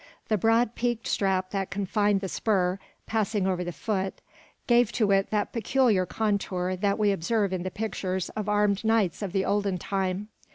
The broad peaked strap that confined the spur, passing over the foot, gave to it that peculiar contour that we observe in the pictures of armed knights of the olden time.